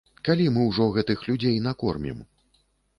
Калі мы ўжо гэтых людзей накормім?